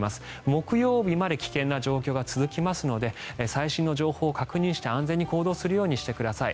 木曜日まで危険な状況が続きますので最新の情報を確認して、安全に行動するようにしてください。